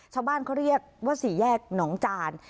ชาวบ้านเขาเรียกว่าสี่แยกหนองจาน